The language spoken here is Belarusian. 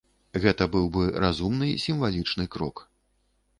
Гэта быў бы разумны сімвалічны крок.